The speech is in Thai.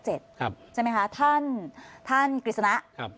ใช่ไหมคะท่านกฤษณะ